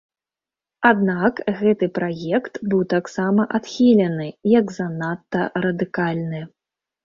Аднак, гэты праект быў таксама адхілены як занадта радыкальны.